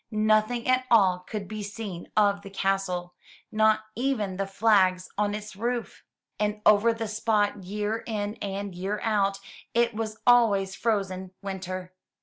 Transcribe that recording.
Nothing at all could be seen of the castle, not even the flags on its roof. And over the spot, year in and year out, it was always frozen winter.